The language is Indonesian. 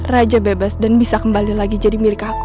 raja bebas dan bisa kembali lagi jadi milik aku